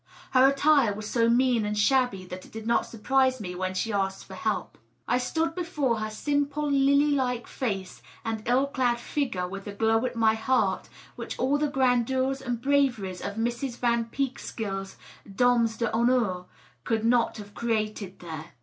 Her attire was so mean and shabby that it did not surprise me when she asked for help. I stood before her simple, lily like face and ill clad figure with a glow at my heart which all the grandeurs and braveries of Mrs. Van Peekskill's dames (Thonneur could not have created there.